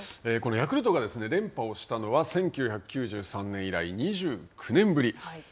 ヤクルトが連覇をしたのは１９９３年以来２９年ぶり。